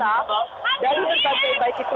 dan juga dari pemerintah